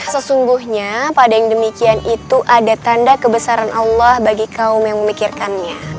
sesungguhnya pada yang demikian itu ada tanda kebesaran allah bagi kaum yang memikirkannya